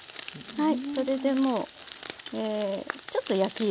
はい。